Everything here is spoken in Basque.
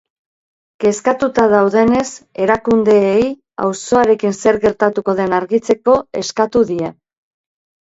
Kezkatuta daudenez, erakundeei auzoarekin zer gertatuko den argitzeko eskatu die.